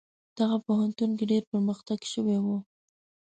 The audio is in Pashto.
دغه پوهنتون کې ډیر پرمختګ شوی و.